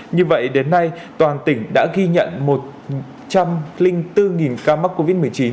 như vậy đến nay toàn tỉnh đã ghi nhận một trăm linh bốn ca mắc covid một mươi chín